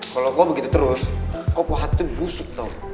kalo gue begitu terus kok hati gue busuk dong